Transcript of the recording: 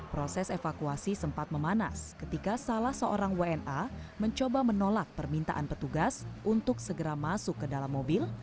proses evakuasi sempat memanas ketika salah seorang wna mencoba menolak permintaan petugas untuk segera masuk ke dalam mobil